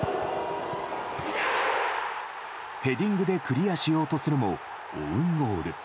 ヘディングでクリアしようとするもオウンゴール。